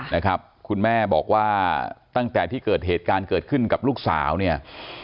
นะครับคุณแม่บอกว่าตั้งแต่ที่เกิดเหตุการณ์เกิดขึ้นกับลูกสาวเนี่ย